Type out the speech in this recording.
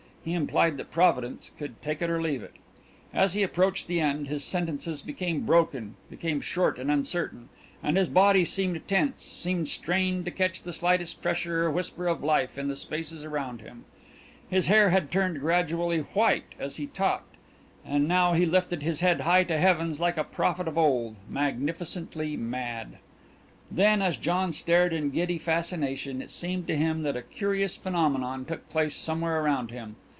He implied that Providence could take it or leave it. As he approached the end his sentences became broken, became short and uncertain, and his body seemed tense, seemed strained to catch the slightest pressure or whisper of life in the spaces around him. His hair had turned gradually white as he talked, and now he lifted his head high to the heavens like a prophet of old magnificently mad. Then, as John stared in giddy fascination, it seemed to him that a curious phenomenon took place somewhere around him.